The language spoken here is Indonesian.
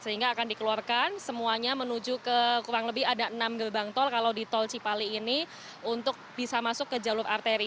sehingga akan dikeluarkan semuanya menuju ke kurang lebih ada enam gerbang tol kalau di tol cipali ini untuk bisa masuk ke jalur arteri